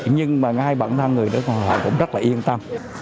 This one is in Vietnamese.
nhưng mà ngay bản thân người đó họ cũng rất là yên tâm